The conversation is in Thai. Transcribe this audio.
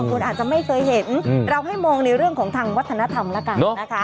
คนอาจจะไม่เคยเห็นเราให้มองในเรื่องของทางวัฒนธรรมแล้วกันนะคะ